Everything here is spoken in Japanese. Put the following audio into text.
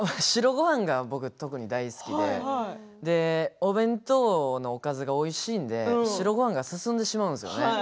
白ごはんが特に大好きでお弁当のおかずがおいしいので白ごはんが進んでしまうんですね。